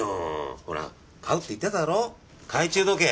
ほら買うって言ってただろ懐中時計！